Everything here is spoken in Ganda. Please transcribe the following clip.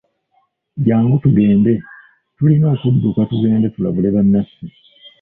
Jangu tugende, tulina okudduka tugende tulabule bannaffe.